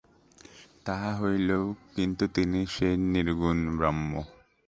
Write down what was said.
তাহা হইলেও কিন্তু তিনি সেই নির্গুণ ব্রহ্ম।